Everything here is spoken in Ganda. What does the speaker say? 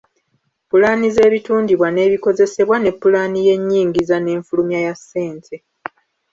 Pulaani z’ebitundibwa n’ebikozesebwa ne pulaani y’ennyingiza n’enfulumya ya ssente.